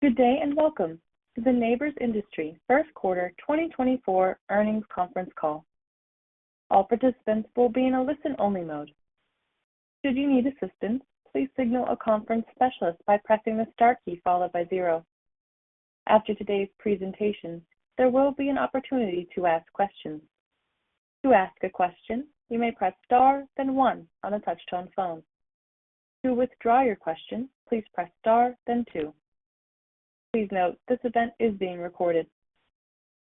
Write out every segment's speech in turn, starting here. Good day and welcome to the Nabors Industries first quarter 2024 earnings conference call. All participants will be in a listen-only mode. Should you need assistance, please signal a conference specialist by pressing the star key followed by zero. After today's presentation, there will be an opportunity to ask questions. To ask a question, you may press star, then one on a touch-tone phone. To withdraw your question, please press star, then two. Please note, this event is being recorded.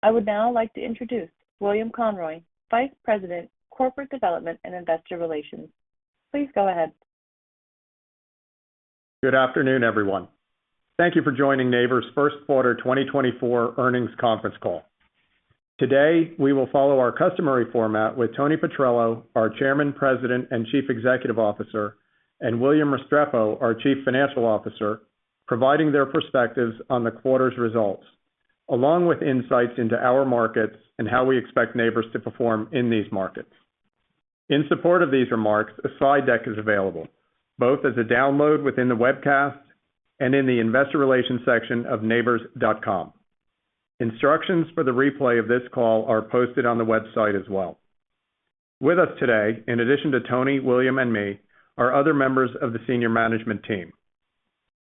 I would now like to introduce William Conroy, Vice President Corporate Development and Investor Relations. Please go ahead. Good afternoon, everyone. Thank you for joining Nabors' first quarter 2024 earnings conference call. Today, we will follow our customary format with Tony Petrello, our Chairman, President, and Chief Executive Officer, and William Restrepo, our Chief Financial Officer, providing their perspectives on the quarter's results, along with insights into our markets and how we expect Nabors to perform in these markets. In support of these remarks, a slide deck is available, both as a download within the webcast and in the investor relations section of nabors.com. Instructions for the replay of this call are posted on the website as well. With us today, in addition to Tony, William, and me, are other members of the senior management team.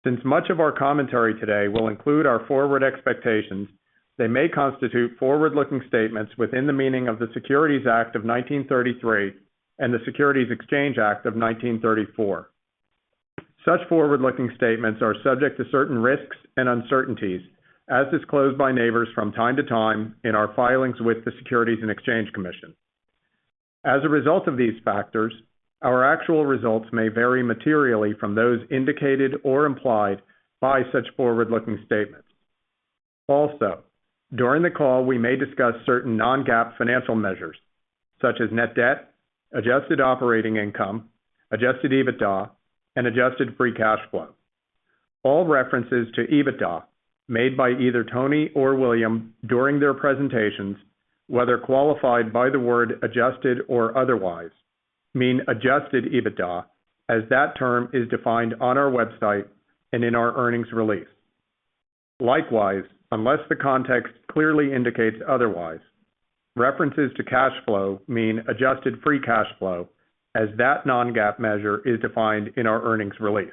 Since much of our commentary today will include our forward expectations, they may constitute forward-looking statements within the meaning of the Securities Act of 1933 and the Securities Exchange Act of 1934. Such forward-looking statements are subject to certain risks and uncertainties, as disclosed by Nabors from time to time in our filings with the Securities and Exchange Commission. As a result of these factors, our actual results may vary materially from those indicated or implied by such forward-looking statements. Also, during the call, we may discuss certain non-GAAP financial measures, such as net debt, adjusted operating income, adjusted EBITDA, and adjusted free cash flow. All references to EBITDA made by either Tony or William during their presentations, whether qualified by the word adjusted or otherwise, mean adjusted EBITDA, as that term is defined on our website and in our earnings release. Likewise, unless the context clearly indicates otherwise, references to cash flow mean adjusted free cash flow, as that non-GAAP measure is defined in our earnings release.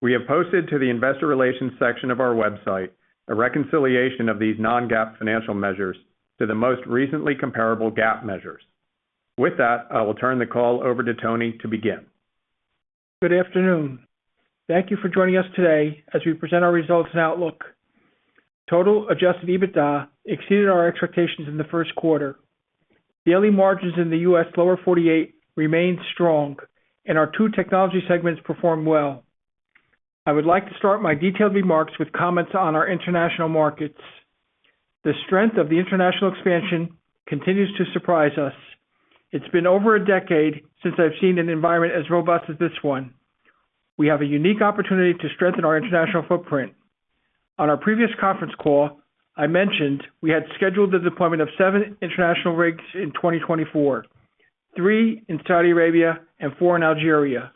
We have posted to the Investor Relations section of our website a reconciliation of these non-GAAP financial measures to the most recently comparable GAAP measures. With that, I will turn the call over to Tony to begin. Good afternoon. Thank you for joining us today as we present our results and outlook. Total Adjusted EBITDA exceeded our expectations in the first quarter. Daily margins in the U.S., Lower 48, remained strong, and our two technology segments performed well. I would like to start my detailed remarks with comments on our international markets. The strength of the international expansion continues to surprise us. It's been over a decade since I've seen an environment as robust as this one. We have a unique opportunity to strengthen our international footprint. On our previous conference call, I mentioned we had scheduled the deployment of seven international rigs in 2024, three in Saudi Arabia and four in Algeria.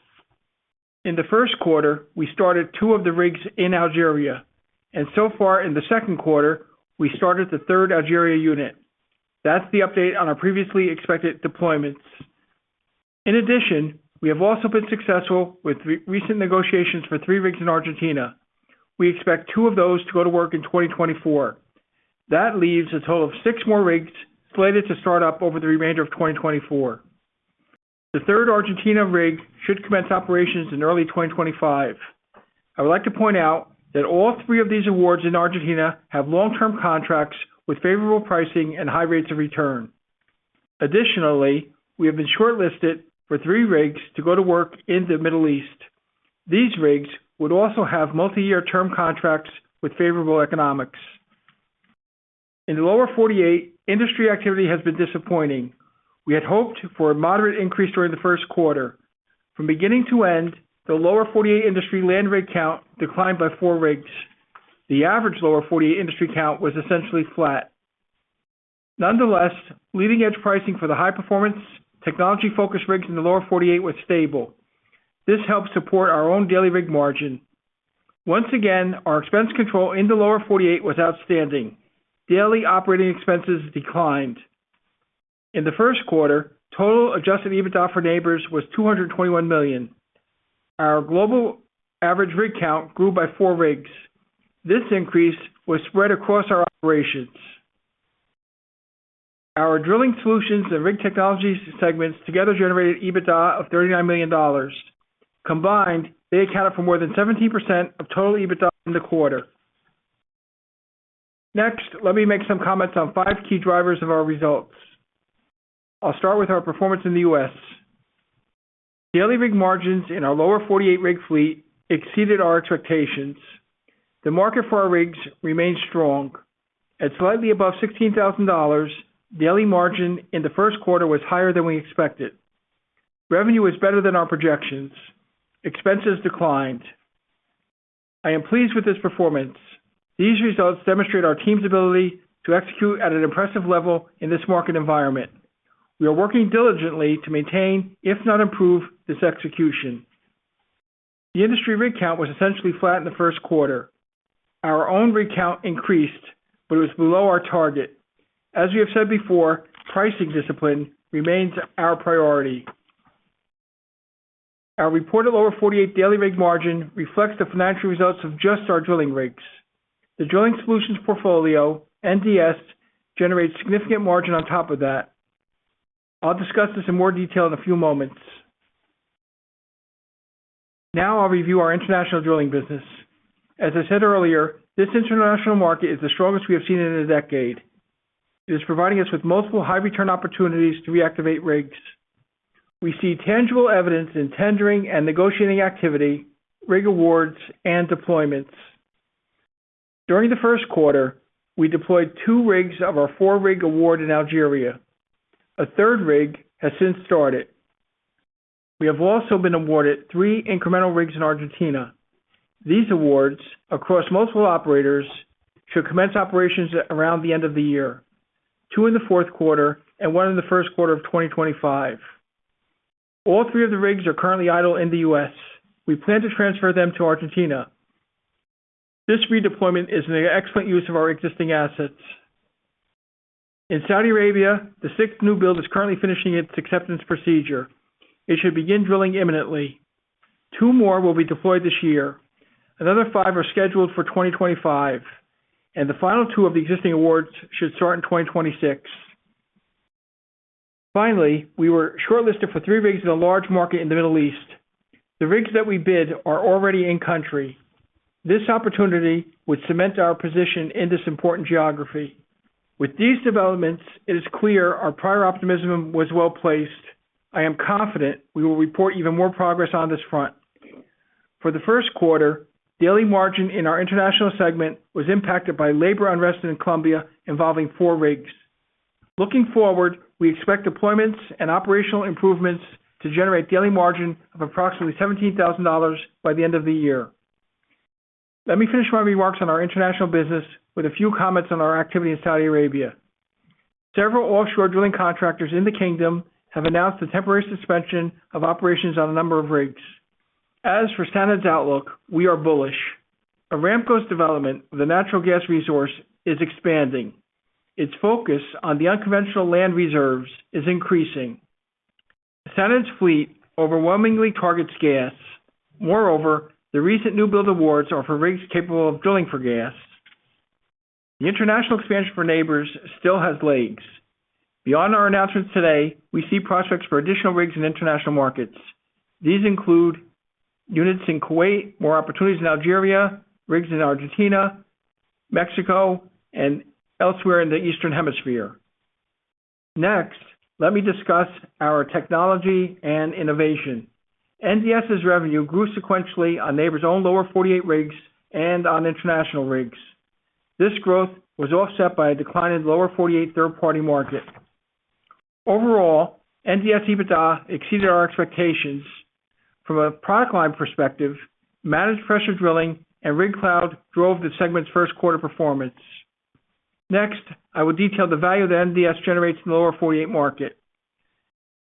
In the first quarter, we started two of the rigs in Algeria. So far, in the second quarter, we started the third Algeria unit. That's the update on our previously expected deployments. In addition, we have also been successful with recent negotiations for three rigs in Argentina. We expect two of those to go to work in 2024. That leaves a total of six more rigs slated to start up over the remainder of 2024. The third Argentina rig should commence operations in early 2025. I would like to point out that all three of these awards in Argentina have long-term contracts with favorable pricing and high rates of return. Additionally, we have been shortlisted for three rigs to go to work in the Middle East. These rigs would also have multi-year term contracts with favorable economics. In the Lower 48, industry activity has been disappointing. We had hoped for a moderate increase during the first quarter. From beginning to end, the Lower 48 industry land rig count declined by four rigs. The average Lower 48 industry count was essentially flat. Nonetheless, leading-edge pricing for the high-performance, technology-focused rigs in the Lower 48 was stable. This helped support our own daily rig margin. Once again, our expense control in the Lower 48 was outstanding. Daily operating expenses declined. In the first quarter, total Adjusted EBITDA for Nabors was $221 million. Our global average rig count grew by four rigs. This increase was spread across our operations. Our drilling solutions and rig technologies segments together generated EBITDA of $39 million. Combined, they accounted for more than 17% of total EBITDA in the quarter. Next, let me make some comments on five key drivers of our results. I'll start with our performance in the U.S. Daily rig margins in our Lower 48 rig fleet exceeded our expectations. The market for our rigs remained strong. At slightly above $16,000, daily margin in the first quarter was higher than we expected. Revenue was better than our projections. Expenses declined. I am pleased with this performance. These results demonstrate our team's ability to execute at an impressive level in this market environment. We are working diligently to maintain, if not improve, this execution. The industry rig count was essentially flat in the first quarter. Our own rig count increased, but it was below our target. As we have said before, pricing discipline remains our priority. Our reported Lower 48 daily rig margin reflects the financial results of just our drilling rigs. The drilling solutions portfolio, NDS, generates significant margin on top of that. I'll discuss this in more detail in a few moments. Now, I'll review our international drilling business. As I said earlier, this international market is the strongest we have seen in a decade. It is providing us with multiple high-return opportunities to reactivate rigs. We see tangible evidence in tendering and negotiating activity, rig awards, and deployments. During the first quarter, we deployed two rigs of our four-rig award in Algeria. A third rig has since started. We have also been awarded three incremental rigs in Argentina. These awards, across multiple operators, should commence operations around the end of the year, two in the fourth quarter and one in the first quarter of 2025. All three of the rigs are currently idle in the U.S. We plan to transfer them to Argentina. This redeployment is an excellent use of our existing assets. In Saudi Arabia, the sixth new build is currently finishing its acceptance procedure. It should begin drilling imminently. Two more will be deployed this year. Another five are scheduled for 2025. The final two of the existing awards should start in 2026. Finally, we were shortlisted for three rigs in a large market in the Middle East. The rigs that we bid are already in country. This opportunity would cement our position in this important geography. With these developments, it is clear our prior optimism was well placed. I am confident we will report even more progress on this front. For the first quarter, daily margin in our international segment was impacted by labor unrest in Colombia involving four rigs. Looking forward, we expect deployments and operational improvements to generate daily margin of approximately $17,000 by the end of the year. Let me finish my remarks on our international business with a few comments on our activity in Saudi Arabia. Several offshore drilling contractors in the kingdom have announced a temporary suspension of operations on a number of rigs. As for SANAD's outlook, we are bullish. A ramp-up development of the natural gas resource is expanding. Its focus on the unconventional land reserves is increasing. SANAD's fleet overwhelmingly targets gas. Moreover, the recent new build awards are for rigs capable of drilling for gas. The international expansion for Nabors still has legs. Beyond our announcements today, we see prospects for additional rigs in international markets. These include units in Kuwait, more opportunities in Algeria, rigs in Argentina, Mexico, and elsewhere in the Eastern Hemisphere. Next, let me discuss our technology and innovation. NDS's revenue grew sequentially on Nabors' own Lower 48 rigs and on international rigs. This growth was offset by a decline in the Lower 48 third-party market. Overall, NDS EBITDA exceeded our expectations. From a product line perspective, managed pressure drilling and RigCLOUD drove the segment's first quarter performance. Next, I will detail the value that NDS generates in the Lower 48 market.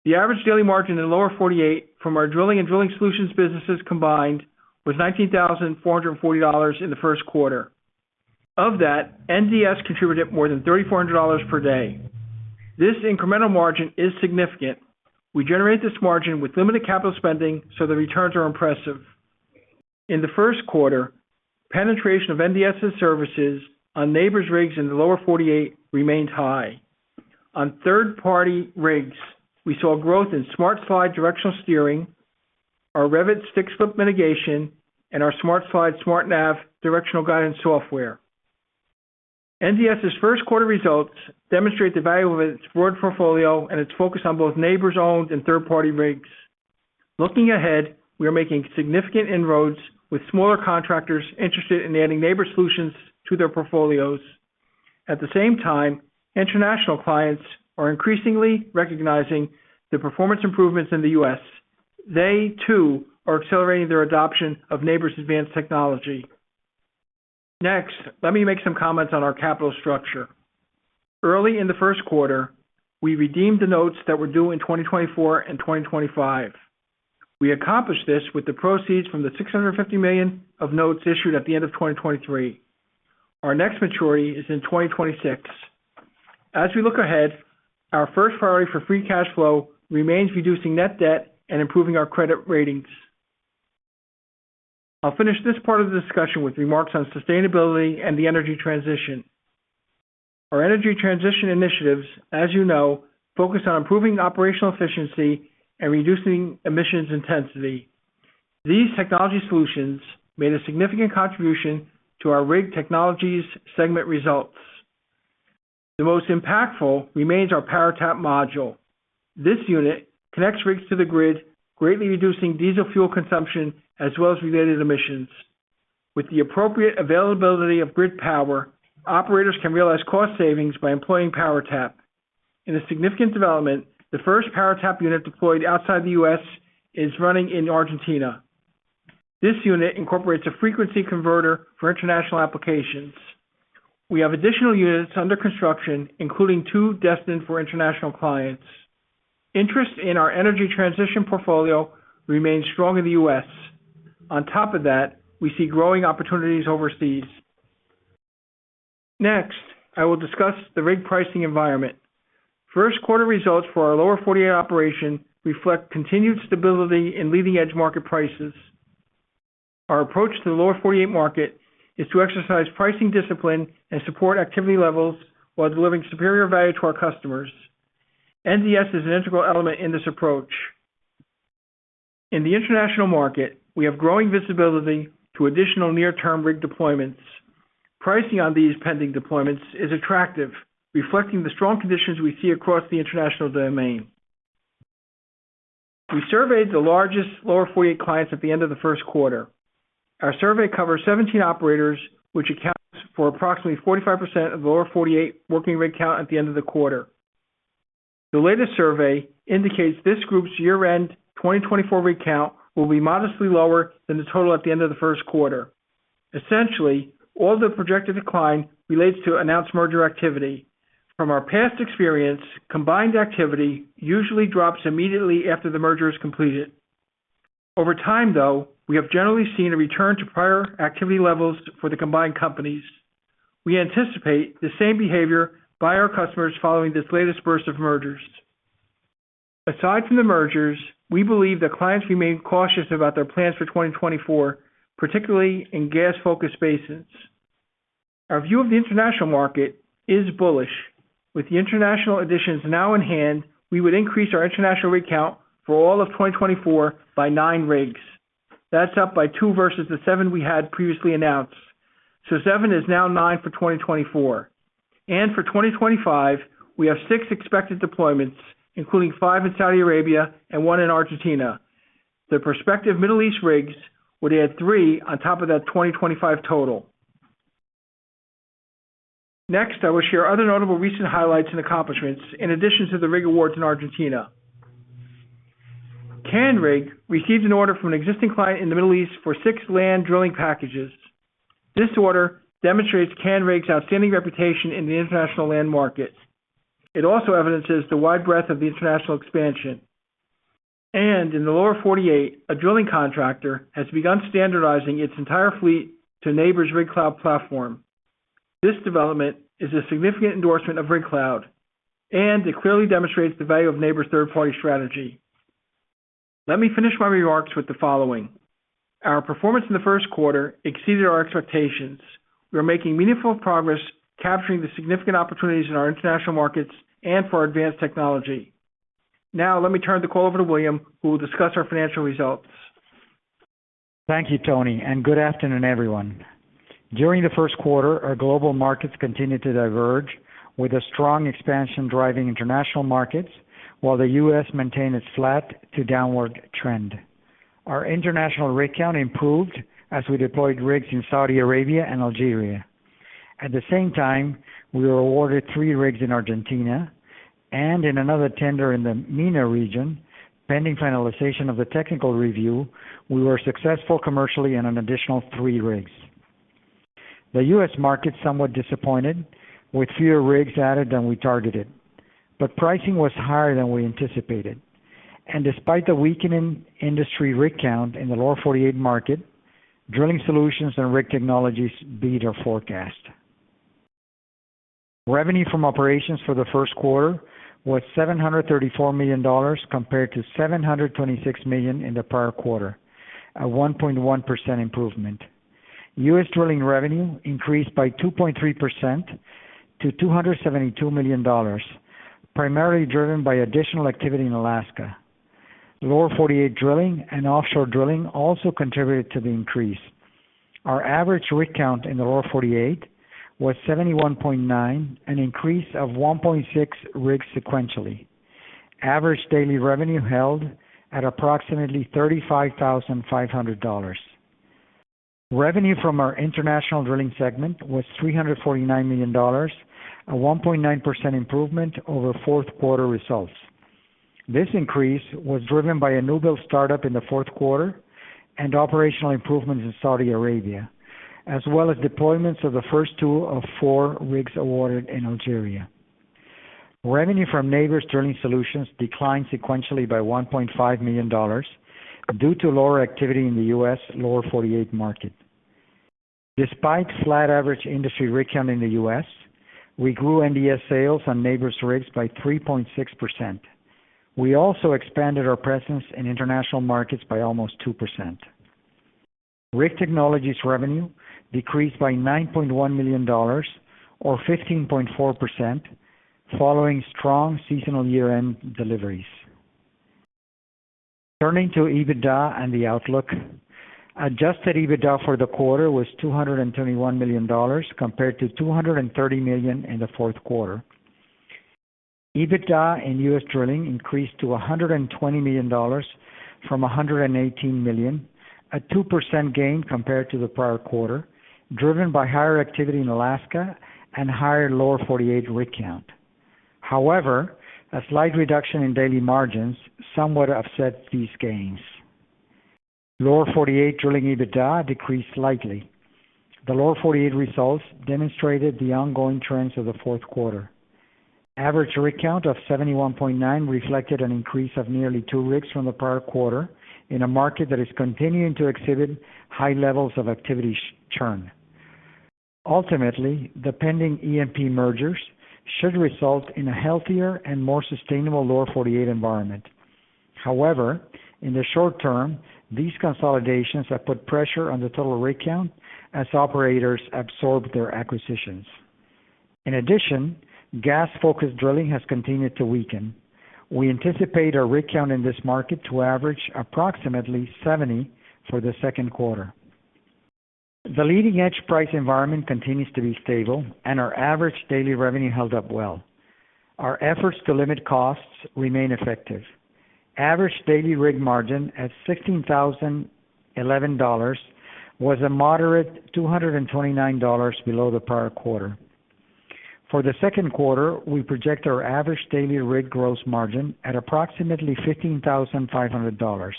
The average daily margin in the Lower 48 from our drilling and drilling solutions businesses combined was $19,440 in the first quarter. Of that, NDS contributed more than $3,400 per day. This incremental margin is significant. We generate this margin with limited capital spending so the returns are impressive. In the first quarter, penetration of NDS's services on Nabors' rigs in the Lower 48 remained high. On third-party rigs, we saw growth in SmartSLIDE directional steering, our REVit stick-slip mitigation, and our SmartSLIDE SmartNAV directional guidance software. NDS's first quarter results demonstrate the value of its broad portfolio and its focus on both Nabors-owned and third-party rigs. Looking ahead, we are making significant inroads with smaller contractors interested in adding Nabors solutions to their portfolios. At the same time, international clients are increasingly recognizing the performance improvements in the U.S. They, too, are accelerating their adoption of Nabors' advanced technology. Next, let me make some comments on our capital structure. Early in the first quarter, we redeemed the notes that were due in 2024 and 2025. We accomplished this with the proceeds from the $650 million of notes issued at the end of 2023. Our next maturity is in 2026. As we look ahead, our first priority for free cash flow remains reducing net debt and improving our credit ratings. I'll finish this part of the discussion with remarks on sustainability and the energy transition. Our energy transition initiatives, as you know, focus on improving operational efficiency and reducing emissions intensity. These technology solutions made a significant contribution to our rig technologies segment results. The most impactful remains our PowerTAP module. This unit connects rigs to the grid, greatly reducing diesel fuel consumption as well as related emissions. With the appropriate availability of grid power, operators can realize cost savings by employing PowerTAP. In a significant development, the first PowerTAP unit deployed outside the U.S. is running in Argentina. This unit incorporates a frequency converter for international applications. We have additional units under construction, including two destined for international clients. Interest in our energy transition portfolio remains strong in the U.S. On top of that, we see growing opportunities overseas. Next, I will discuss the rig pricing environment. First quarter results for our Lower 48 operation reflect continued stability in leading-edge market prices. Our approach to the Lower 48 market is to exercise pricing discipline and support activity levels while delivering superior value to our customers. NDS is an integral element in this approach. In the international market, we have growing visibility to additional near-term rig deployments. Pricing on these pending deployments is attractive, reflecting the strong conditions we see across the international domain. We surveyed the largest Lower 48 clients at the end of the first quarter. Our survey covers 17 operators, which accounts for approximately 45% of the Lower 48 working rig count at the end of the quarter. The latest survey indicates this group's year-end 2024 rig count will be modestly lower than the total at the end of the first quarter. Essentially, all the projected decline relates to announced merger activity. From our past experience, combined activity usually drops immediately after the merger is completed. Over time, though, we have generally seen a return to prior activity levels for the combined companies. We anticipate the same behavior by our customers following this latest burst of mergers. Aside from the mergers, we believe that clients remain cautious about their plans for 2024, particularly in gas-focused spaces. Our view of the international market is bullish. With the international additions now in hand, we would increase our international rig count for all of 2024 by nine rigs. That's up by two versus the seven we had previously announced. So seven is now nine for 2024. And for 2025, we have six expected deployments, including five in Saudi Arabia and one in Argentina. The prospective Middle East rigs would add three on top of that 2025 total. Next, I will share other notable recent highlights and accomplishments in addition to the rig awards in Argentina. Canrig received an order from an existing client in the Middle East for six land drilling packages. This order demonstrates Canrig's outstanding reputation in the international land market. It also evidences the wide breadth of the international expansion. In the Lower 48, a drilling contractor has begun standardizing its entire fleet to Nabors' RigCLOUD platform. This development is a significant endorsement of RigCLOUD. It clearly demonstrates the value of Nabors' third-party strategy. Let me finish my remarks with the following. Our performance in the first quarter exceeded our expectations. We are making meaningful progress capturing the significant opportunities in our international markets and for our advanced technology. Now, let me turn the call over to William, who will discuss our financial results. Thank you, Tony. Good afternoon, everyone. During the first quarter, our global markets continued to diverge, with a strong expansion driving international markets while the U.S. maintained its flat to downward trend. Our international rig count improved as we deployed rigs in Saudi Arabia and Algeria. At the same time, we were awarded three rigs in Argentina. In another tender in the MENA region, pending finalization of the technical review, we were successful commercially in an additional three rigs. The U.S. market somewhat disappointed, with fewer rigs added than we targeted. Pricing was higher than we anticipated. Despite the weakening industry rig count in the lower 48 market, drilling solutions and rig technologies beat our forecast. Revenue from operations for the first quarter was $734 million compared to $726 million in the prior quarter, a 1.1% improvement. U.S. drilling revenue increased by 2.3% to $272 million, primarily driven by additional activity in Alaska. Lower 48 drilling and offshore drilling also contributed to the increase. Our average rig count in the lower 48 was 71.9, an increase of 1.6 rigs sequentially. Average daily revenue held at approximately $35,500. Revenue from our international drilling segment was $349 million, a 1.9% improvement over fourth quarter results. This increase was driven by a new build startup in the fourth quarter and operational improvements in Saudi Arabia, as well as deployments of the first two of four rigs awarded in Algeria. Revenue from Nabors' Drilling Solutions declined sequentially by $1.5 million due to lower activity in the U.S. Lower 48 market. Despite flat average industry rig count in the U.S., we grew NDS sales on Nabors' rigs by 3.6%. We also expanded our presence in international markets by almost 2%. Rig Technologies revenue decreased by $9.1 million, or 15.4%, following strong seasonal year-end deliveries. Turning to EBITDA and the outlook. Adjusted EBITDA for the quarter was $221 million compared to $230 million in the fourth quarter. EBITDA in U.S. drilling increased to $120 million from $118 million, a 2% gain compared to the prior quarter, driven by higher activity in Alaska and higher Lower 48 rig count. However, a slight reduction in daily margins somewhat offset these gains. Lower 48 drilling EBITDA decreased slightly. The Lower 48 results demonstrated the ongoing trends of the fourth quarter. Average rig count of 71.9 reflected an increase of nearly two rigs from the prior quarter in a market that is continuing to exhibit high levels of activity churn. Ultimately, the pending E&P mergers should result in a healthier and more sustainable Lower 48 environment. However, in the short term, these consolidations have put pressure on the total rig count as operators absorb their acquisitions. In addition, gas-focused drilling has continued to weaken. We anticipate our rig count in this market to average approximately 70 for the second quarter. The leading-edge price environment continues to be stable, and our average daily revenue held up well. Our efforts to limit costs remain effective. Average daily rig margin at $16,011 was a moderate $229 below the prior quarter. For the second quarter, we project our average daily rig gross margin at approximately $15,500.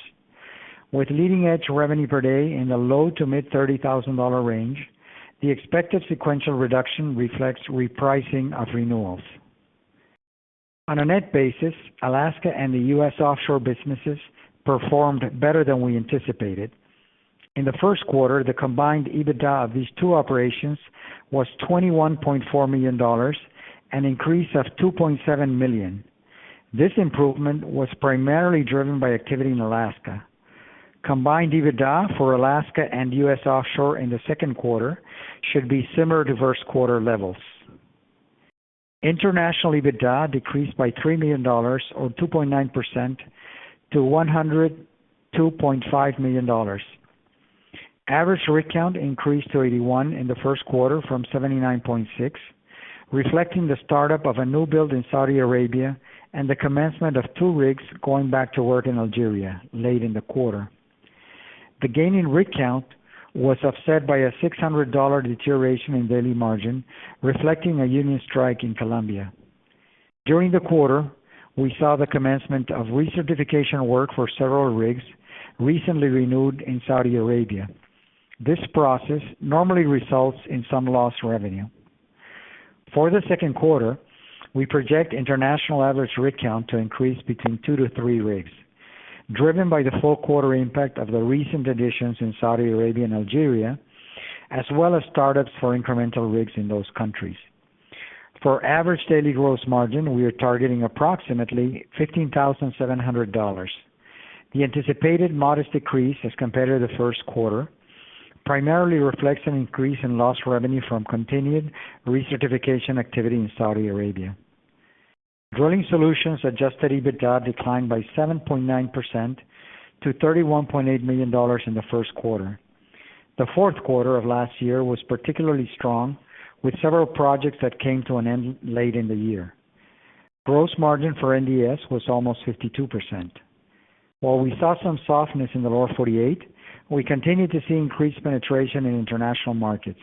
With leading-edge revenue per day in the low to mid-$30,000 range, the expected sequential reduction reflects repricing of renewals. On a net basis, Alaska and the U.S. offshore businesses performed better than we anticipated. In the first quarter, the combined EBITDA of these two operations was $21.4 million, an increase of $2.7 million. This improvement was primarily driven by activity in Alaska. Combined EBITDA for Alaska and U.S. offshore in the second quarter should be similar to first quarter levels. International EBITDA decreased by $3 million, or 2.9%, to $102.5 million. Average rig count increased to 81 in the first quarter from 79.6, reflecting the startup of a new build in Saudi Arabia and the commencement of two rigs going back to work in Algeria late in the quarter. The gain in rig count was offset by a $600 deterioration in daily margin, reflecting a union strike in Colombia. During the quarter, we saw the commencement of recertification work for several rigs recently renewed in Saudi Arabia. This process normally results in some lost revenue. For the second quarter, we project international average rig count to increase between two to three rigs, driven by the full quarter impact of the recent additions in Saudi Arabia and Algeria, as well as startups for incremental rigs in those countries. For average daily gross margin, we are targeting approximately $15,700. The anticipated modest decrease as compared to the first quarter primarily reflects an increase in lost revenue from continued recertification activity in Saudi Arabia. Drilling solutions adjusted EBITDA declined by 7.9% to $31.8 million in the first quarter. The fourth quarter of last year was particularly strong, with several projects that came to an end late in the year. Gross margin for NDS was almost 52%. While we saw some softness in the Lower 48, we continue to see increased penetration in international markets.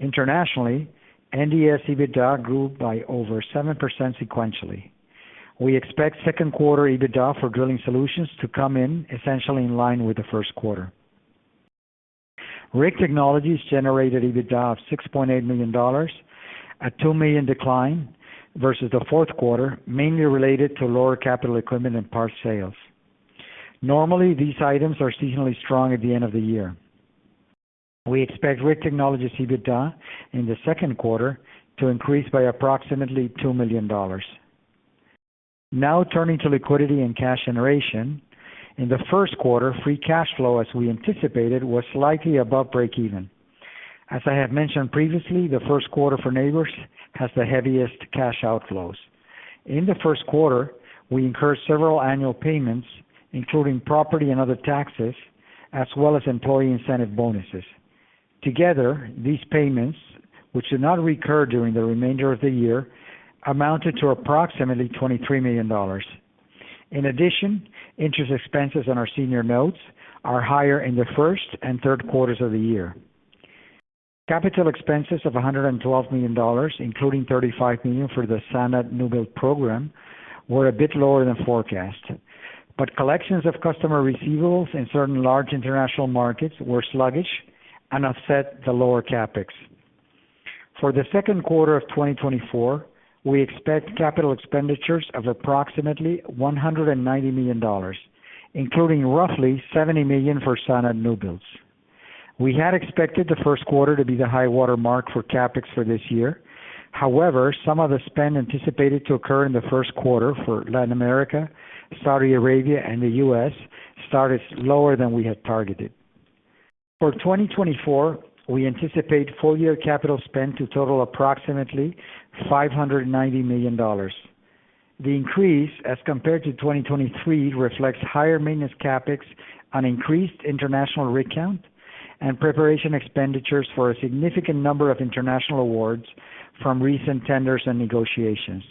Internationally, NDS EBITDA grew by over 7% sequentially. We expect second quarter EBITDA for drilling solutions to come in essentially in line with the first quarter. Rig technologies generated EBITDA of $6.8 million, a $2 million decline versus the fourth quarter, mainly related to lower capital equipment and parts sales. Normally, these items are seasonally strong at the end of the year. We expect rig technologies EBITDA in the second quarter to increase by approximately $2 million. Now, turning to liquidity and cash generation. In the first quarter, free cash flow, as we anticipated, was slightly above break-even. As I have mentioned previously, the first quarter for Nabors has the heaviest cash outflows. In the first quarter, we incurred several annual payments, including property and other taxes, as well as employee incentive bonuses. Together, these payments, which did not recur during the remainder of the year, amounted to approximately $23 million. In addition, interest expenses on our senior notes are higher in the first and third quarters of the year. Capital expenses of $112 million, including $35 million for the SANAD new build program, were a bit lower than forecast. But collections of customer receivables in certain large international markets were sluggish and offset the lower CapEx. For the second quarter of 2024, we expect capital expenditures of approximately $190 million, including roughly $70 million for SANAD new builds. We had expected the first quarter to be the high watermark for CapEx for this year. However, some of the spend anticipated to occur in the first quarter for Latin America, Saudi Arabia, and the U.S. started lower than we had targeted. For 2024, we anticipate full-year capital spend to total approximately $590 million. The increase, as compared to 2023, reflects higher maintenance CapEx, an increased international rig count, and preparation expenditures for a significant number of international awards from recent tenders and negotiations.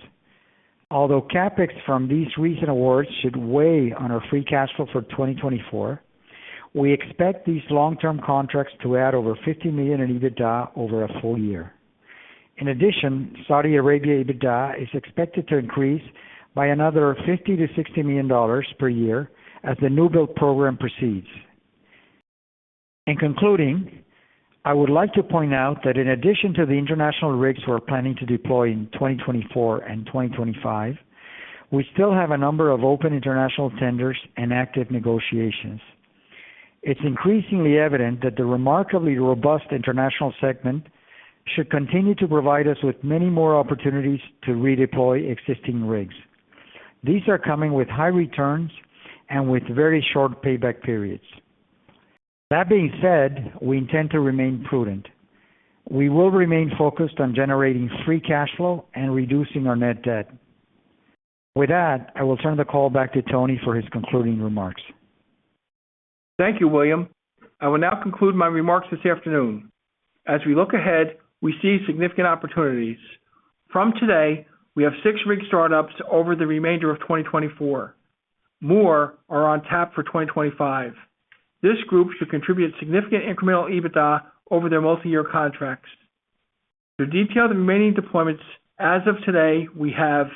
Although CapEx from these recent awards should weigh on our free cash flow for 2024, we expect these long-term contracts to add over $50 million in EBITDA over a full year. In addition, Saudi Arabia EBITDA is expected to increase by another $50 million-$60 million per year as the new build program proceeds. In concluding, I would like to point out that in addition to the international rigs we are planning to deploy in 2024 and 2025, we still have a number of open international tenders and active negotiations. It's increasingly evident that the remarkably robust international segment should continue to provide us with many more opportunities to redeploy existing rigs. These are coming with high returns and with very short payback periods. That being said, we intend to remain prudent. We will remain focused on generating free cash flow and reducing our net debt. With that, I will turn the call back to Tony for his concluding remarks. Thank you, William. I will now conclude my remarks this afternoon. As we look ahead, we see significant opportunities. From today, we have six rig startups over the remainder of 2024. More are on tap for 2025. This group should contribute significant incremental EBITDA over their multi-year contracts. To detail the remaining deployments as of today, we have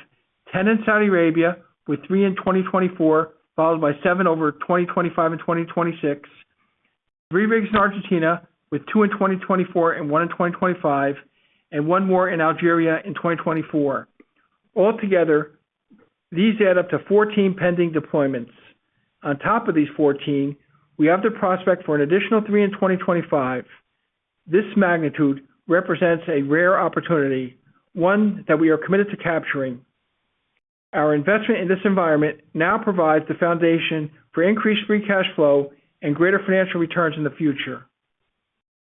10 in Saudi Arabia with three in 2024, followed by seven over 2025 and 2026, three rigs in Argentina with two in 2024 and one in 2025, and one more in Algeria in 2024. Altogether, these add up to 14 pending deployments. On top of these 14, we have the prospect for an additional three in 2025. This magnitude represents a rare opportunity, one that we are committed to capturing. Our investment in this environment now provides the foundation for increased free cash flow and greater financial returns in the future.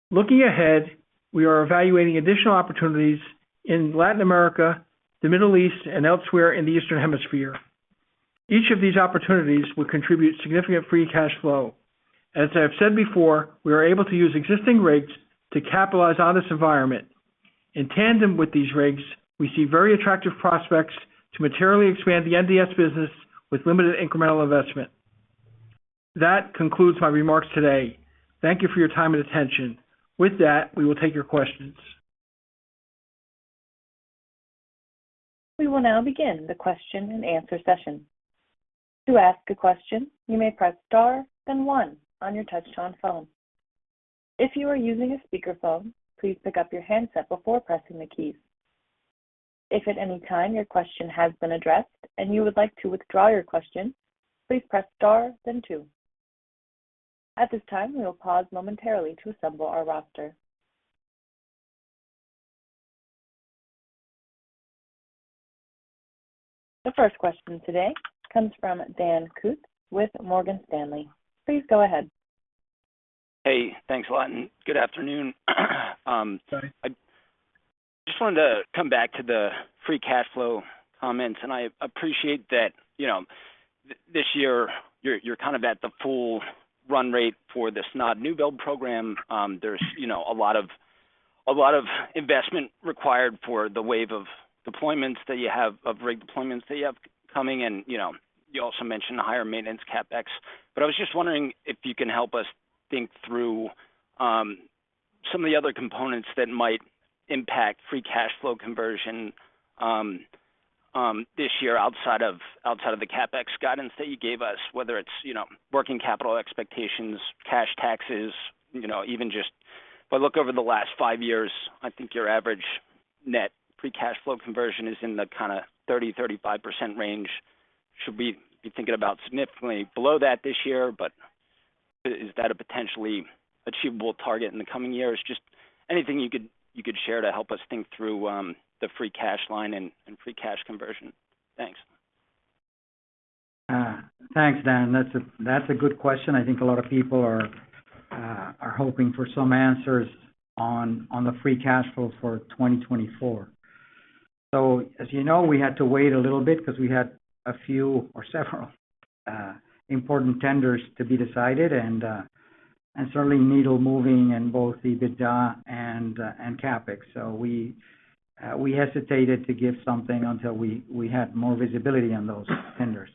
Looking ahead, we are evaluating additional opportunities in Latin America, the Middle East, and elsewhere in the Eastern Hemisphere. Each of these opportunities would contribute significant free cash flow. As I have said before, we are able to use existing rigs to capitalize on this environment. In tandem with these rigs, we see very attractive prospects to materially expand the NDS business with limited incremental investment. That concludes my remarks today. Thank you for your time and attention. With that, we will take your questions. We will now begin the question and answer session. To ask a question, you may press star, then one, on your touch-tone phone. If you are using a speakerphone, please pick up your handset before pressing the keys. If at any time your question has been addressed and you would like to withdraw your question, please press star, then two. At this time, we will pause momentarily to assemble our roster. The first question today comes from Dan Kutz with Morgan Stanley. Please go ahead. Hey, thanks a lot, and good afternoon. I just wanted to come back to the free cash flow comments, and I appreciate that this year you're kind of at the full run rate for the SANAD new build program. There's a lot of investment required for the wave of deployments that you have of rig deployments that you have coming, and you also mentioned higher maintenance CapEx. But I was just wondering if you can help us think through some of the other components that might impact free cash flow conversion this year outside of the CapEx guidance that you gave us, whether it's working capital expectations, cash taxes, even just if I look over the last five years, I think your average net free cash flow conversion is in the kind of 30%-35% range. Should be thinking about significantly below that this year, but is that a potentially achievable target in the coming years? Just anything you could share to help us think through the free cash line and free cash conversion. Thanks. Thanks, Dan. That's a good question. I think a lot of people are hoping for some answers on the free cash flow for 2024. So as you know, we had to wait a little bit because we had a few or several important tenders to be decided, and certainly needle-moving in both EBITDA and CapEx. So we hesitated to give something until we had more visibility on those tenders.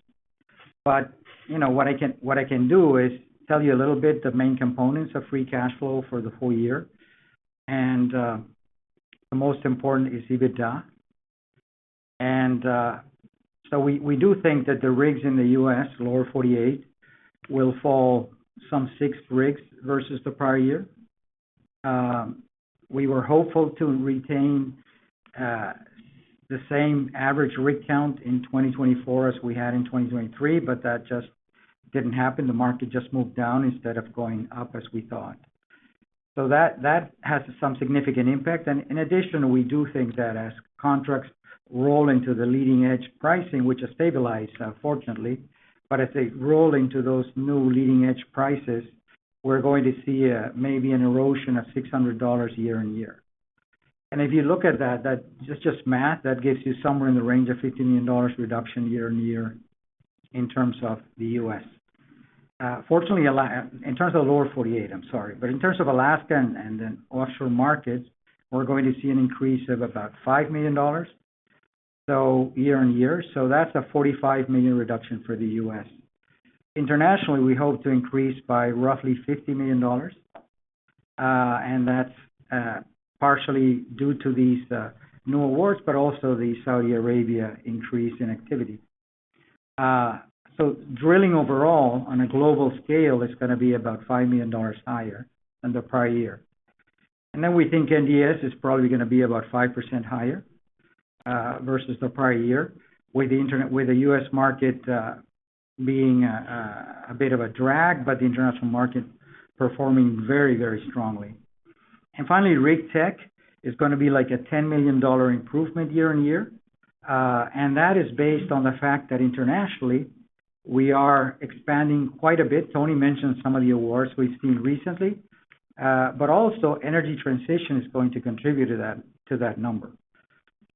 But what I can do is tell you a little bit the main components of free cash flow for the full year, and the most important is EBITDA. So we do think that the rigs in the U.S., Lower 48, will fall by six rigs versus the prior year. We were hopeful to retain the same average rig count in 2024 as we had in 2023, but that just didn't happen. The market just moved down instead of going up as we thought. So that has some significant impact. In addition, we do think that as contracts roll into the leading-edge pricing, which has stabilized, fortunately, but as they roll into those new leading-edge prices, we're going to see maybe an erosion of $600 year-over-year. If you look at that, that's just math. That gives you somewhere in the range of $50 million reduction year-over-year in terms of the U.S. Fortunately, in terms of the Lower 48, I'm sorry, but in terms of Alaska and the offshore markets, we're going to see an increase of about $5 million year-on-year. So that's a $45 million reduction for the U.S. Internationally, we hope to increase by roughly $50 million, and that's partially due to these new awards, but also the Saudi Arabia increase in activity. So drilling overall on a global scale is going to be about $5 million higher than the prior year. And then we think NDS is probably going to be about 5% higher versus the prior year, with the U.S. market being a bit of a drag, but the international market performing very, very strongly. And finally, rig tech is going to be like a $10 million improvement year-on-year, and that is based on the fact that internationally we are expanding quite a bit. Tony mentioned some of the awards we've seen recently, but also energy transition is going to contribute to that number.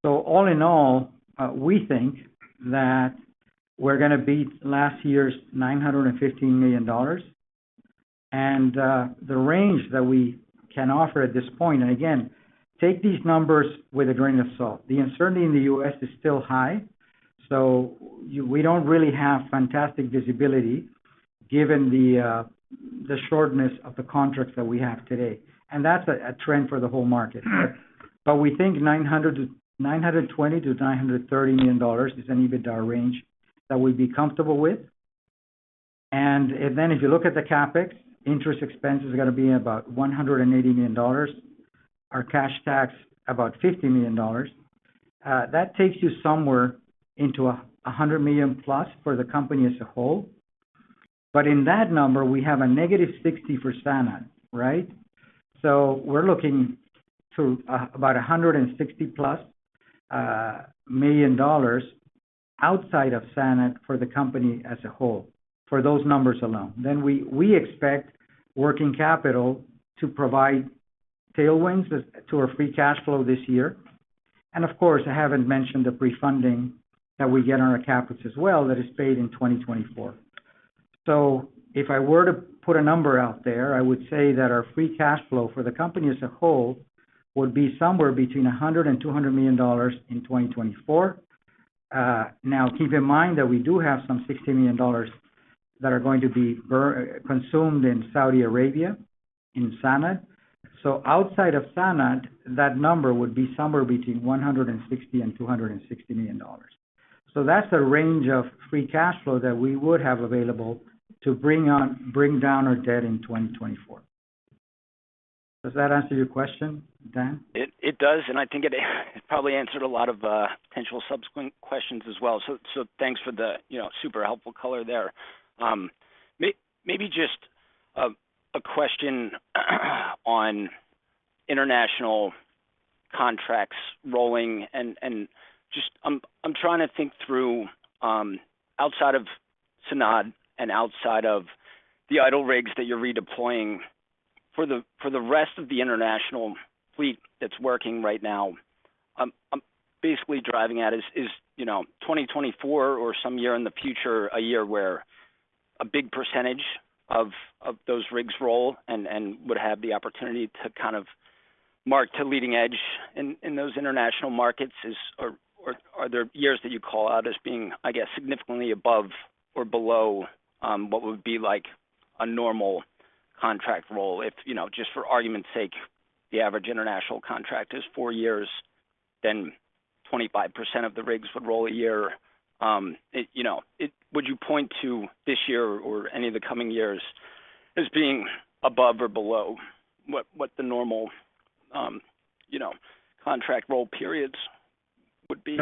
So all in all, we think that we're going to beat last year's $915 million, and the range that we can offer at this point, and again, take these numbers with a grain of salt. The uncertainty in the U.S. is still high, so we don't really have fantastic visibility given the shortness of the contracts that we have today. And that's a trend for the whole market. But we think $920 million-$930 million is an EBITDA range that we'd be comfortable with. And then if you look at the CapEx, interest expenses are going to be about $180 million, our cash tax about $50 million. That takes you somewhere into a $100 million plus for the company as a whole. But in that number, we have a -$60 million for SANAD, right? So we're looking to about a $160+ million outside of SANAD for the company as a whole, for those numbers alone. Then we expect working capital to provide tailwinds to our free cash flow this year. And of course, I haven't mentioned the pre-funding that we get on our CapEx as well that is paid in 2024. So if I were to put a number out there, I would say that our free cash flow for the company as a whole would be somewhere between $100 million and $200 million in 2024. Now, keep in mind that we do have some $60 million that are going to be consumed in Saudi Arabia, in SANAD. So outside of SANAD, that number would be somewhere between $160 million and $260 million. So that's the range of free cash flow that we would have available to bring down our debt in 2024. Does that answer your question, Dan? It does, and I think it probably answered a lot of potential subsequent questions as well. So thanks for the super helpful color there. Maybe just a question on international contracts rolling, and just I'm trying to think through outside of SANAD and outside of the idle rigs that you're redeploying for the rest of the international fleet that's working right now. I'm basically driving at is 2024 or some year in the future, a year where a big percentage of those rigs roll and would have the opportunity to kind of mark to leading edge in those international markets? Are there years that you call out as being, I guess, significantly above or below what would be like a normal contract roll? If, just for argument's sake, the average international contract is four years, then 25% of the rigs would roll a year. Would you point to this year or any of the coming years as being above or below what the normal contract roll periods would be?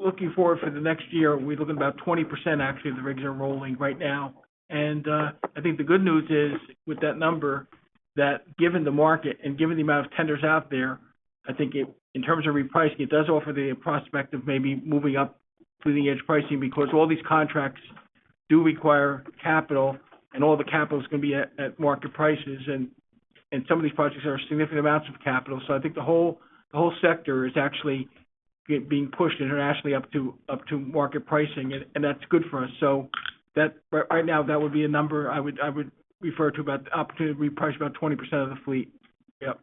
Looking forward for the next year, we're looking at about 20% actually of the rigs are rolling right now. And I think the good news is with that number that given the market and given the amount of tenders out there, I think in terms of repricing, it does offer the prospect of maybe moving up leading-edge pricing because all these contracts do require capital, and all the capital is going to be at market prices. And some of these projects are significant amounts of capital, so I think the whole sector is actually being pushed internationally up to market pricing, and that's good for us. So right now, that would be a number I would refer to about the opportunity to reprice about 20% of the fleet. Yep.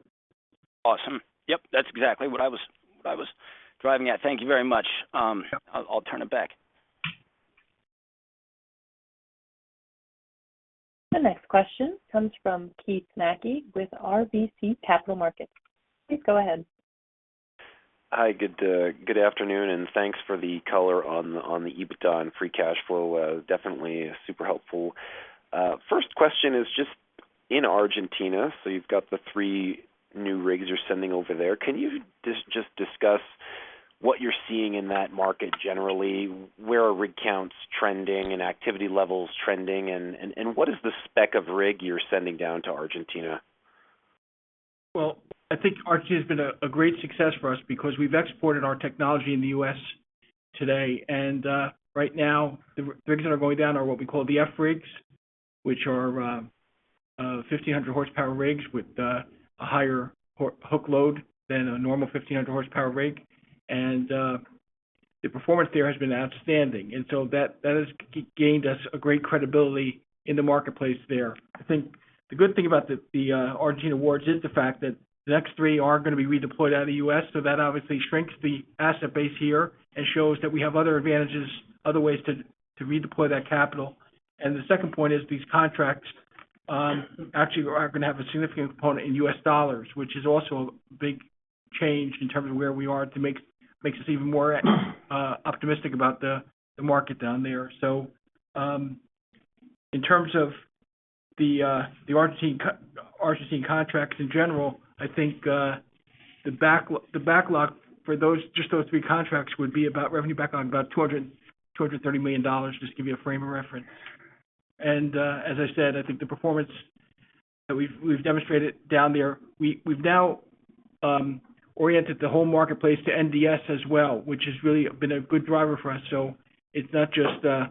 Awesome. Yep, that's exactly what I was driving at. Thank you very much. I'll turn it back. The next question comes from Keith Mackey with RBC Capital Markets. Please go ahead. Hi, good afternoon, and thanks for the color on the EBITDA and free cash flow. Definitely super helpful. First question is just in Argentina, so you've got the three new rigs you're sending over there. Can you just discuss what you're seeing in that market generally? Where are rig counts trending and activity levels trending, and what is the spec of rig you're sending down to Argentina? Well, I think Argentina has been a great success for us because we've exported our technology in the U.S. today. And right now, the rigs that are going down are what we call the F rigs, which are 1,500 horsepower rigs with a higher hook load than a normal 1,500 horsepower rig. And the performance there has been outstanding, and so that has gained us a great credibility in the marketplace there. I think the good thing about the Argentina awards is the fact that the next three are going to be redeployed out of the U.S., so that obviously shrinks the asset base here and shows that we have other advantages, other ways to redeploy that capital. The second point is these contracts actually are going to have a significant component in U.S. dollars, which is also a big change in terms of where we are to make us even more optimistic about the market down there. So in terms of the Argentina contracts in general, I think the backlog for just those three contracts would be about revenue backlog about $230 million, just to give you a frame of reference. And as I said, I think the performance that we've demonstrated down there, we've now oriented the whole marketplace to NDS as well, which has really been a good driver for us. So it's not just the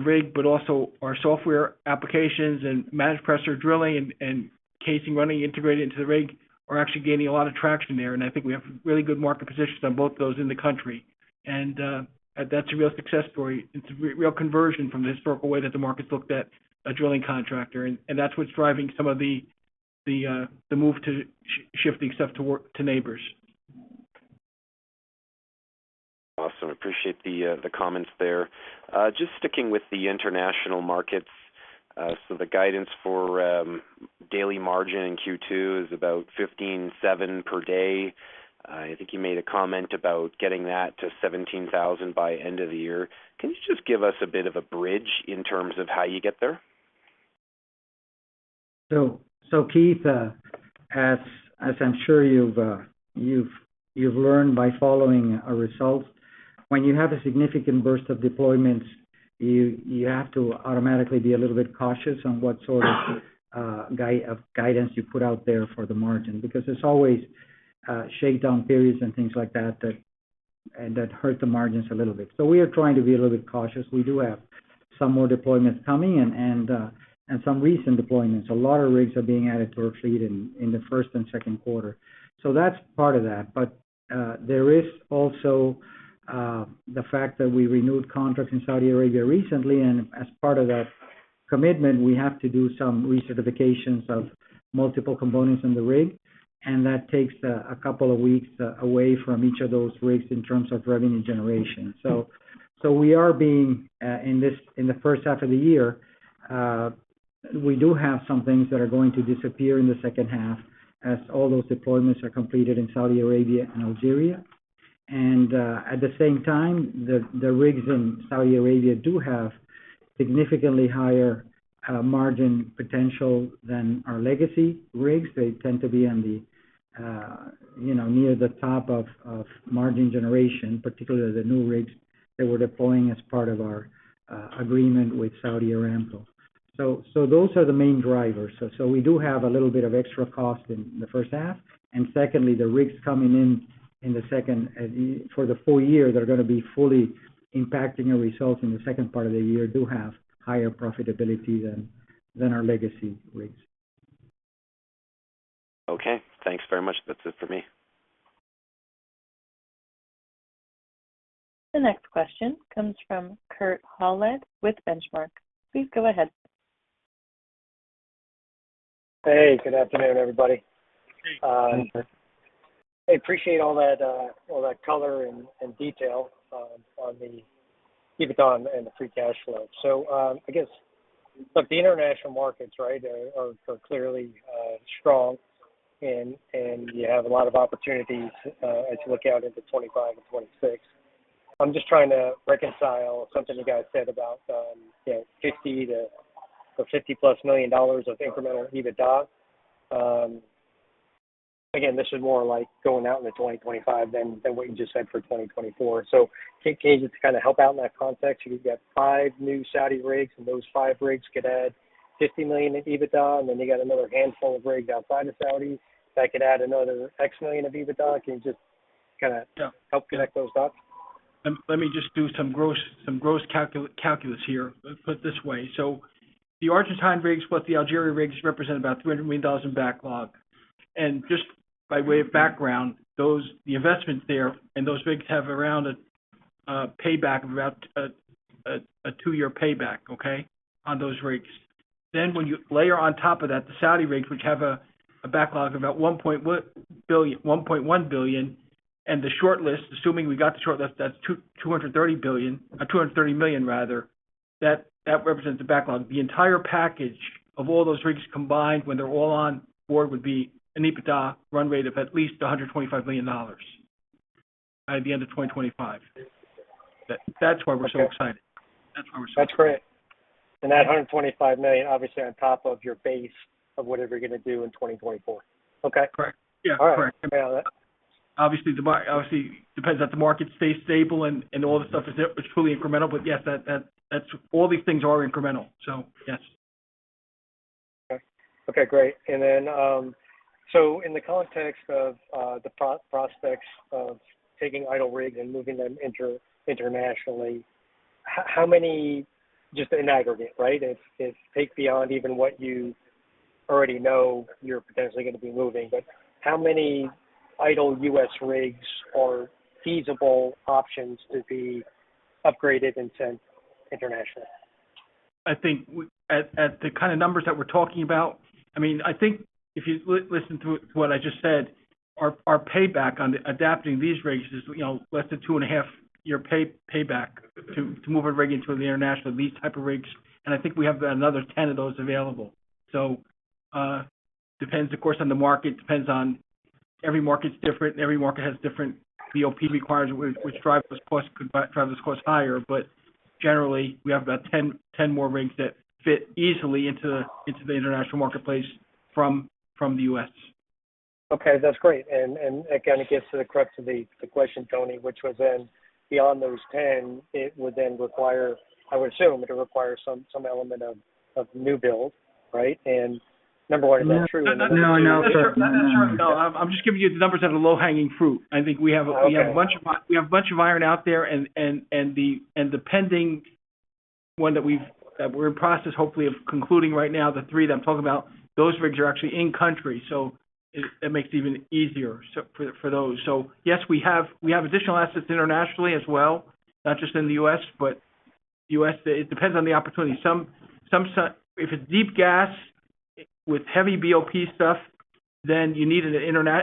rig, but also our software applications and managed pressure drilling and casing running integrated into the rig are actually gaining a lot of traction there. And I think we have really good market positions on both of those in the country. And that's a real success story. It's a real conversion from the historical way that the market's looked at a drilling contractor, and that's what's driving some of the move to shifting stuff to Nabors. Awesome. Appreciate the comments there. Just sticking with the international markets, so the guidance for daily margin in Q2 is about $15,700 per day. I think you made a comment about getting that to $17,000 by end of the year. Can you just give us a bit of a bridge in terms of how you get there? So, Keith, as I'm sure you've learned by following our results, when you have a significant burst of deployments, you have to automatically be a little bit cautious on what sort of guidance you put out there for the margin because there's always shakedown periods and things like that that hurt the margins a little bit. So we are trying to be a little bit cautious. We do have some more deployments coming and some recent deployments. A lot of rigs are being added to our fleet in the first and second quarter. So that's part of that. But there is also the fact that we renewed contracts in Saudi Arabia recently, and as part of that commitment, we have to do some recertifications of multiple components in the rig, and that takes a couple of weeks away from each of those rigs in terms of revenue generation. So, we are seeing in the first half of the year, we do have some things that are going to disappear in the second half as all those deployments are completed in Saudi Arabia and Algeria. And at the same time, the rigs in Saudi Arabia do have significantly higher margin potential than our legacy rigs. They tend to be near the top of margin generation, particularly the new rigs that we're deploying as part of our agreement with Saudi Aramco. So those are the main drivers. So we do have a little bit of extra cost in the first half. And secondly, the rigs coming in for the full year that are going to be fully impacting our results in the second part of the year do have higher profitability than our legacy rigs. Okay. Thanks very much. That's it for me. The next question comes from Kurt Hallead with Benchmark. Please go ahead. Hey, good afternoon, everybody. Hey, Kurt? I appreciate all that color and detail on the EBITDA and the free cash flow. So I guess, look, the international markets, right, are clearly strong, and you have a lot of opportunities as you look out into 2025 and 2026. I'm just trying to reconcile something you guys said about $50 million-$50+ million of incremental EBITDA. Again, this is more like going out into 2025 than what you just said for 2024. So can you just kind of help out in that context? You've got five new Saudi rigs, and those five rigs could add $50 million in EBITDA, and then you've got another handful of rigs outside of Saudi that could add another X million of EBITDA. Can you just kind of help connect those dots? Let me just do some gross calculus here. Put it this way. So the Argentine rigs plus the Algeria rigs represent about $300 million backlog. And just by way of background, the investments there and those rigs have around a payback of about a 2-year payback, okay, on those rigs. Then when you layer on top of that the Saudi rigs, which have a backlog of about $1.1 billion, and the shortlist, assuming we got the shortlist, that's $230 billion, $230 million rather, that represents the backlog. The entire package of all those rigs combined when they're all on board would be an EBITDA run rate of at least $125 million by the end of 2025. That's why we're so excited. That's why we're so excited. That's great. And that $125 million, obviously, on top of your base of whatever you're going to do in 2024. Okay? Correct. Yeah. Correct. All right. Obviously, it depends that the market stays stable and all the stuff is truly incremental, but yes, all these things are incremental. So yes. Okay. Okay. Great. And then so in the context of the prospects of taking idle rigs and moving them internationally, how many just in aggregate, right? Take beyond even what you already know you're potentially going to be moving, but how many idle U.S. rigs are feasible options to be upgraded and sent internationally? I think at the kind of numbers that we're talking about, I mean, I think if you listen to what I just said, our payback on adapting these rigs is less than 2.5-year payback to move a rig into the international, these type of rigs. And I think we have another 10 of those available. So depends, of course, on the market. Every market's different. Every market has different BOP requirements, which drive those costs, could drive those costs higher. But generally, we have about 10 more rigs that fit easily into the international marketplace from the U.S. Okay. That's great. And again, it gets correct to the question, Tony, which was then beyond those 10, it would then require, I would assume, it would require some element of new build, right? And number one, is that true? No, no, no. That's true. No, I'm just giving you the numbers that are low-hanging fruit. I think we have a bunch of we have a bunch of iron out there, and the pending one that we're in process, hopefully, of concluding right now, the three that I'm talking about, those rigs are actually in-country, so that makes it even easier for those. So yes, we have additional assets internationally as well, not just in the U.S., but the U.S., it depends on the opportunity. If it's deep gas with heavy BOP stuff, then you need an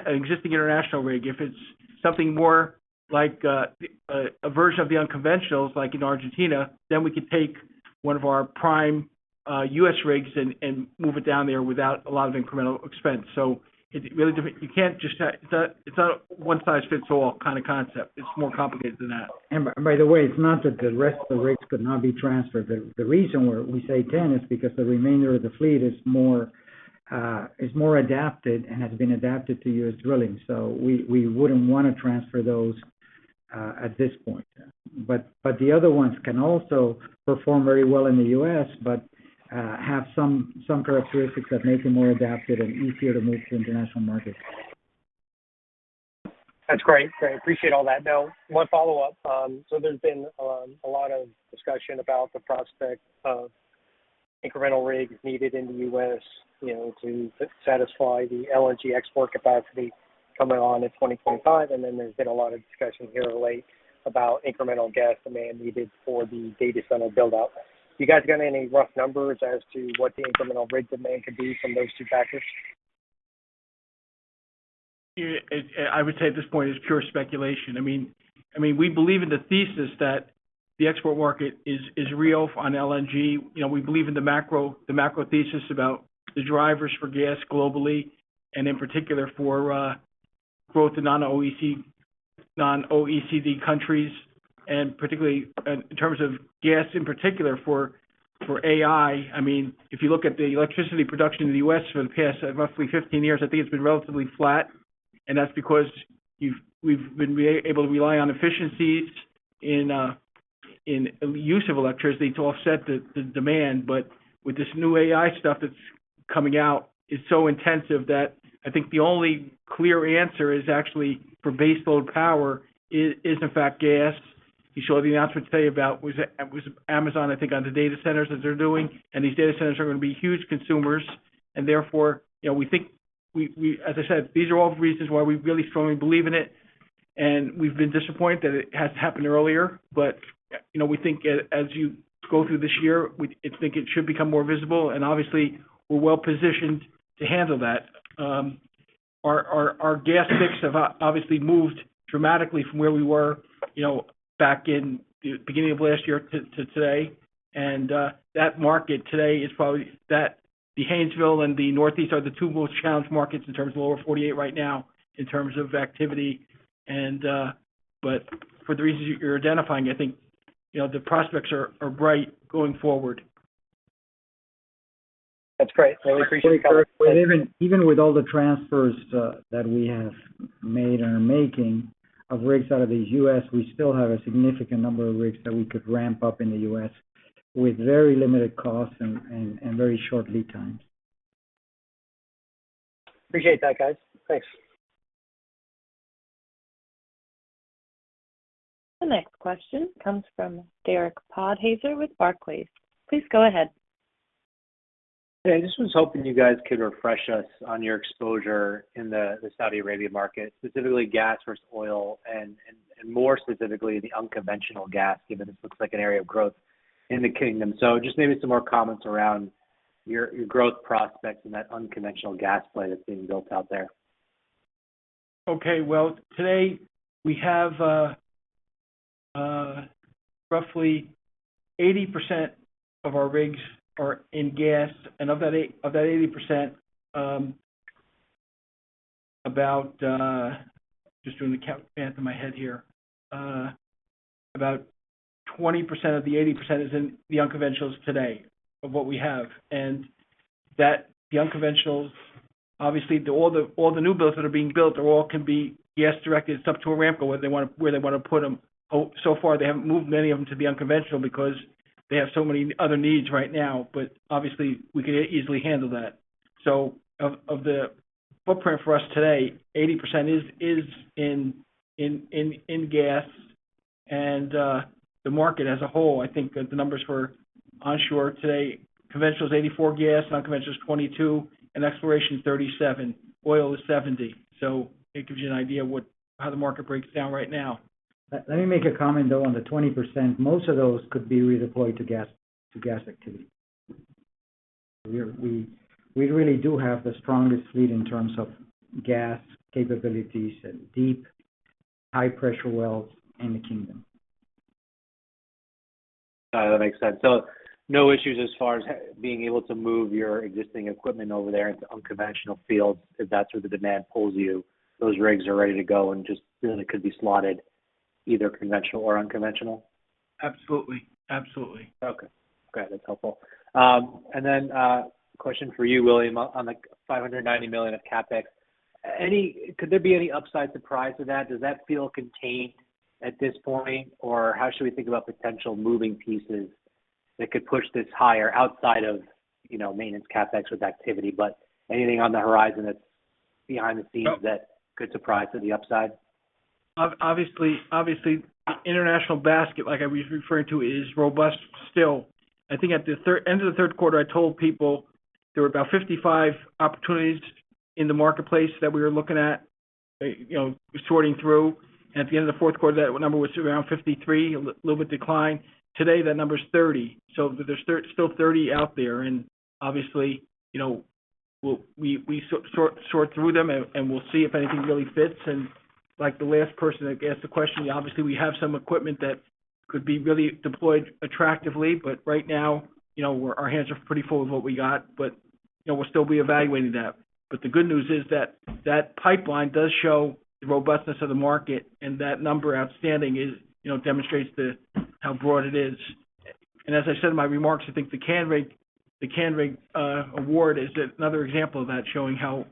existing international rig. If it's something more like a version of the unconventionals like in Argentina, then we could take one of our prime U.S. rigs and move it down there without a lot of incremental expense. So it's really different. You can't just—it's not a one-size-fits-all kind of concept. It's more complicated than that. And by the way, it's not that the rest of the rigs could not be transferred. The reason we say 10 is because the remainder of the fleet is more adapted and has been adapted to U.S. drilling. So we wouldn't want to transfer those at this point. But the other ones can also perform very well in the U.S. but have some characteristics that make them more adapted and easier to move to international markets. That's great. Great. Appreciate all that. Now, one follow-up. So there's been a lot of discussion about the prospect of incremental rigs needed in the U.S. to satisfy the LNG export capacity coming on in 2025, and then there's been a lot of discussion here of late about incremental gas demand needed for the data center build-out. You guys got any rough numbers as to what the incremental rig demand could be from those two factors? I would say at this point it's pure speculation. I mean, we believe in the thesis that the export market is real on LNG. We believe in the macro thesis about the drivers for gas globally and, in particular, for growth in non-OECD countries. And particularly in terms of gas in particular for AI, I mean, if you look at the electricity production in the U.S. for the past roughly 15 years, I think it's been relatively flat, and that's because we've been able to rely on efficiencies in the use of electricity to offset the demand. But with this new AI stuff that's coming out, it's so intensive that I think the only clear answer is actually for baseload power is, in fact, gas. You saw the announcement today about it was Amazon, I think, on the data centers that they're doing, and these data centers are going to be huge consumers. And therefore, we think, as I said, these are all reasons why we really strongly believe in it. We've been disappointed that it hasn't happened earlier, but we think as you go through this year, I think it should become more visible. Obviously, we're well-positioned to handle that. Our gas picks have obviously moved dramatically from where we were back in the beginning of last year to today. That market today is probably the Haynesville and the Northeast are the two most challenged markets in terms of Lower 48 right now in terms of activity. But for the reasons you're identifying, I think the prospects are bright going forward. That's great. Really appreciate your comments. Even with all the transfers that we have made and are making of rigs out of the U.S., we still have a significant number of rigs that we could ramp up in the U.S. with very limited costs and very short lead times. Appreciate that, guys. Thanks. The next question comes from Derek Podhaizer with Barclays. Please go ahead. Hey, I was hoping you guys could refresh us on your exposure in the Saudi Arabia market, specifically gas versus oil, and more specifically the unconventional gas, given this looks like an area of growth in the kingdom. So just maybe some more comments around your growth prospects and that unconventional gas play that's being built out there. Okay. Well, today, we have roughly 80% of our rigs are in gas. And of that 80%, just doing the count math in my head here, about 20% of the 80% is in the unconventionals today of what we have. And the unconventionals, obviously, all the new builds that are being built, they all can be gas-directed. It's up to Aramco where they want to put them. So far, they haven't moved many of them to the unconventional because they have so many other needs right now. But obviously, we could easily handle that. So of the footprint for us today, 80% is in gas. And the market as a whole, I think the numbers were onshore today. Conventional is 84% gas, unconventional is 22%, and exploration is 37%. Oil is 70%. So it gives you an idea of how the market breaks down right now. Let me make a comment, though, on the 20%. Most of those could be redeployed to gas activity. We really do have the strongest fleet in terms of gas capabilities and deep, high-pressure wells in the kingdom. That makes sense. So no issues as far as being able to move your existing equipment over there into unconventional fields if that's where the demand pulls you. Those rigs are ready to go and just really could be slotted either conventional or unconventional? Absolutely. Absolutely. Okay. Okay. That's helpful. And then question for you, William, on the $590 million of CapEx. Could there be any upside surprise to that? Does that feel contained at this point, or how should we think about potential moving pieces that could push this higher outside of maintenance CapEx with activity? But anything on the horizon that's behind the scenes that could surprise to the upside? Obviously, the international basket, like I was referring to, is robust still. I think at the end of the third quarter, I told people there were about 55 opportunities in the marketplace that we were looking at sorting through. And at the end of the fourth quarter, that number was around 53, a little bit declined. Today, that number's 30. So there's still 30 out there. And obviously, we sort through them, and we'll see if anything really fits. And like the last person that asked the question, obviously, we have some equipment that could be really deployed attractively, but right now, our hands are pretty full with what we got. But we'll still be evaluating that. But the good news is that that pipeline does show the robustness of the market, and that number outstanding demonstrates how broad it is. And as I said in my remarks, I think the Canrig award is another example of that showing how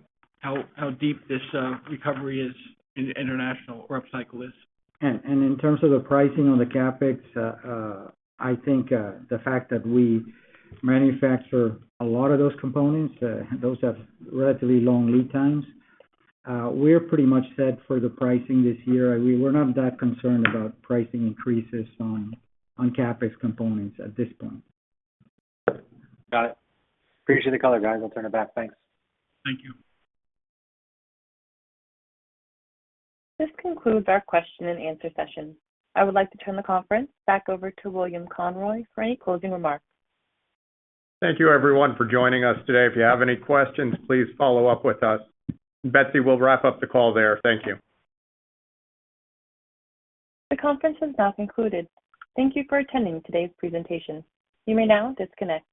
deep this recovery is in the international rig cycle. And in terms of the pricing on the CapEx, I think the fact that we manufacture a lot of those components, those have relatively long lead times, we're pretty much set for the pricing this year. We're not that concerned about pricing increases on CapEx components at this point. Got it. Appreciate the color, guys. I'll turn it back. Thanks. Thank you. This concludes our question-and-answer session. I would like to turn the conference back over to William Conroy for any closing remarks. Thank you, everyone, for joining us today. If you have any questions, please follow up with us. Betsy, we'll wrap up the call there. Thank you. The conference has now concluded. Thank you for attending today's presentation. You may now disconnect.